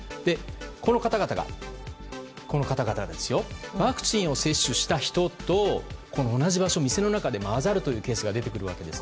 この方々がワクチンを接種した人と同じ場所、店の中で混ざるケースが出てくるわけです。